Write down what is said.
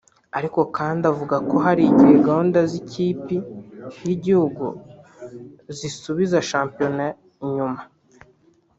Ariko kandi avuga ko hari igihe gahunda z’ikipi y’igihugu zisubiza Shampiyona inyuma